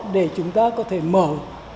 để chúng ta có thể nâng cấp quan hệ việt nam